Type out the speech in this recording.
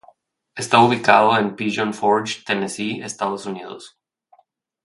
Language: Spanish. Está ubicado en Pigeon Forge, Tennessee, Estados Unidos.